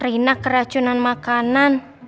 rina keracunan makanan